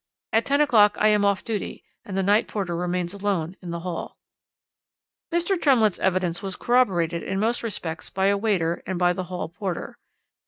At ten o'clock I am off duty, and the night porter remains alone in the hall.' "Mr. Tremlett's evidence was corroborated in most respects by a waiter and by the hall porter.